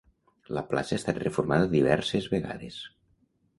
La plaça ha estat reformada diverses vegades.